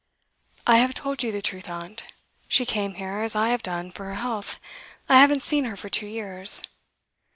'I have told you the truth, aunt. She came here, as I have done, for her health. I haven't seen her for two years.